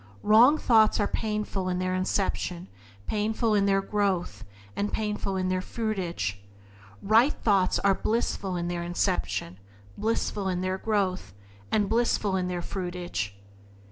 Wrong thoughts are painful in their inception, painful in their growth, and painful in their fruitage. Right thoughts are blissful in their inception, blissful in their growth, and blissful in their fruitage.